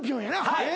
はい。